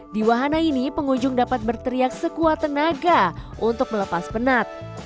di wahana ini pengunjung dapat berteriak sekuat tenaga untuk melepas penat